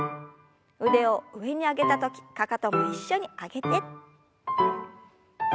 腕を上に上げた時かかとも一緒に上げて。